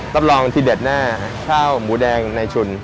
รับรองที่เด็ดหน้าข้าวหมูแดงในชุน